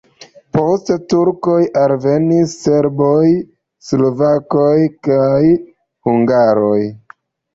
Post la turkoj alvenis serboj, slovakoj kaj hungaroj.